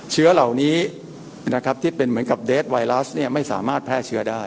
จากไบรัสไม่สามารถแพร่เชื้อได้